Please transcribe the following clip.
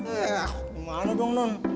eh kemana dong non